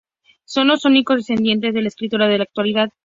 Son los únicos descendientes de la escritora en la actualidad.